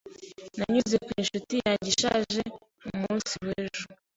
Nanyuze ku ncuti yanjye ishaje mu munsi w'ejo.